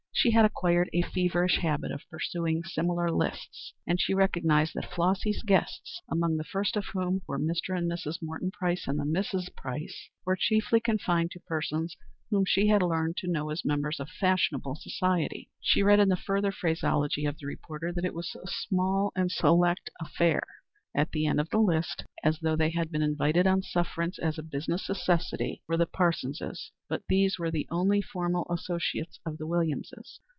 She had acquired a feverish habit of perusing similar lists, and she recognized that Flossy's guests among the first of whom were Mr. and Mrs. Morton Price and the Misses Price were chiefly confined to persons whom she had learned to know as members of fashionable society. She read, in the further phraseology of the reporter, that "it was a small and select affair." At the end of the list, as though they had been invited on sufferance as a business necessity, were the Parsonses; but these were the only former associates of the Williamses.